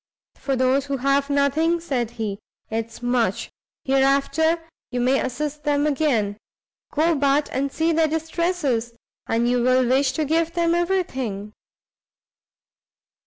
"For those who have nothing," said he, "it is much. Hereafter, you may assist them again. Go but and see their distresses, and you will wish to give them every thing."